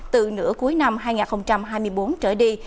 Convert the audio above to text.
từ nửa cuối năm hai nghìn hai mươi bốn trở đi